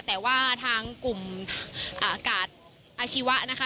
แต่ว่าทางกลุ่มกาดอาชีวะนะคะ